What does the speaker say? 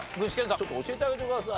ちょっと教えてあげてください。